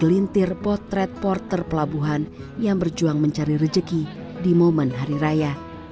gelintir potret porter pelabuhan yang berjuang mencari rejeki di momen hari raya